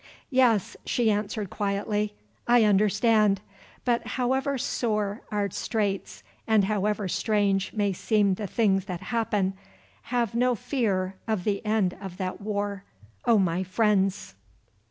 "Yes," she answered quietly, "I understand, but however sore our straits, and however strange may seem the things that happen, have no fear of the end of that war, O my friends."